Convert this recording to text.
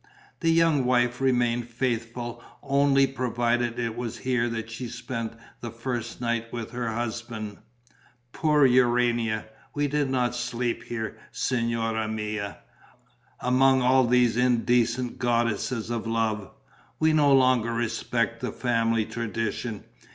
The young wife remained faithful only provided it was here that she spent the first night with her husband. Poor Urania! We did not sleep here, signora mia, among all these indecent goddesses of love. We no longer respect the family tradition.